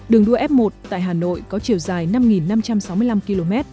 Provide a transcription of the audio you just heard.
đường đua f một tại hà nội có chiều dài năm năm trăm sáu mươi năm km